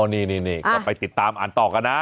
นี่ก็ไปติดตามอ่านต่อกันนะ